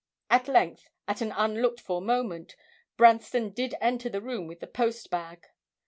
At length, at an unlooked for moment, Branston did enter the room with the post bag.